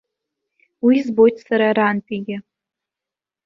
Уи збоит сара арантәигьы.